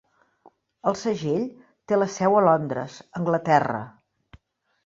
El segell té la seu a Londres, Anglaterra.